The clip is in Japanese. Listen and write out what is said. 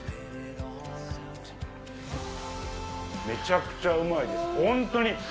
めちゃくちゃうまいです、本当に。